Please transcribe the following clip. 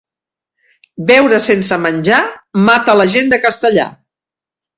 Beure sense menjar, mata la gent de Castellar.